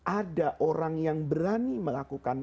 ada orang yang berani melakukan